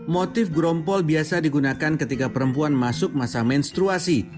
motif grompol biasa digunakan ketika perempuan masuk masa menstruasi